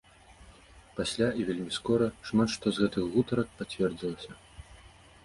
Пасля, і вельмі скора, шмат што з гэтых гутарак пацвердзілася.